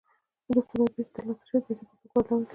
وروسته به یې بېرته ترلاسه شوې پیسې په توکو بدلولې